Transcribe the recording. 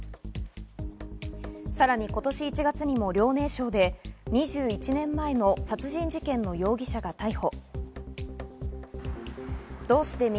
さらに今年１月にも遼寧省で２１年前の殺人事件の容疑者が逮捕。